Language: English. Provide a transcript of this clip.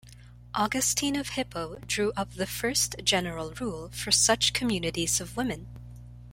Augustine of Hippo drew up the first general rule for such communities of women.